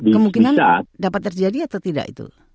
kemungkinan dapat terjadi atau tidak itu